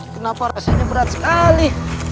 kenapa rasanya berat sekali